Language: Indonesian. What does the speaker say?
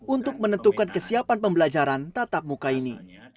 untuk menentukan kesiapan pembelajaran tatap muka ini